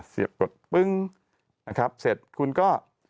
เสร็จคุณก็